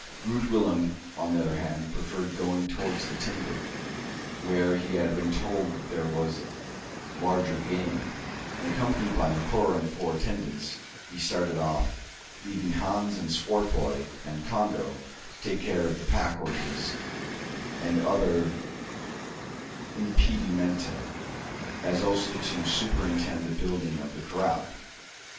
Groot Willem, on the other hand, preferred going towards the timber, where he had been told there was larger game; and, accompanied by Macora and four attendants, he started off, leaving Hans with Swartboy and Congo to take care of the pack horses and other impedimenta, as also to superintend the building of the kraal.